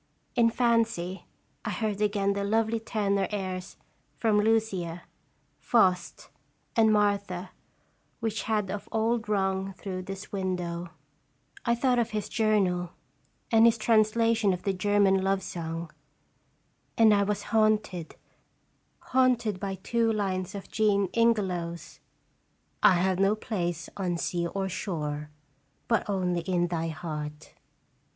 In fancy I heard again the lovely tenor airs from "Lucia," "Faust," and "Martha" which had of old rung through this window. I thought of his 308 "&rs ttye EDeafc journal, and his translation of the German love song. And I was haunted haunted by two lines of Jean Ingelow's "I have no place on sea or shore, But only in thy heart."